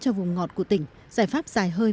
cho vùng ngọt của tỉnh giải pháp dài hơi